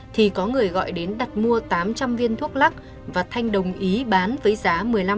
thì có người gọi đến đặt mua tám trăm linh viên thuốc lắc và thanh đồng ý bán với giá